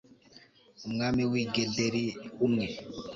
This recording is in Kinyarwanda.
umwami w'i gederi, umwe